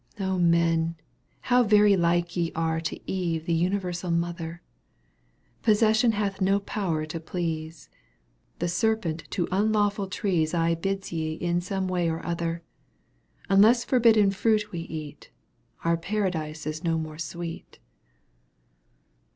Men, how very like ye are To Eve the imiversal mother, Possession hath no power to please, The serpent to unlawful trees Aye bids ye in some way or other — Unless forbidden fruit we eat, Our paradise is no more sweet.